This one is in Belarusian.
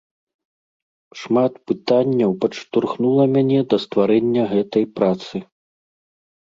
Шмат пытанняў падштурхнула мяне да стварэння гэтай працы.